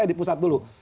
ya di pusat dulu